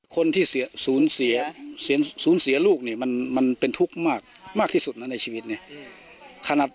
คนที่สูญเสียลูกเนี่ยมันเป็นทุกข์มากที่สุดนะในชีวิตเนี่ย